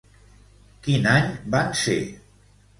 Quin any van ser?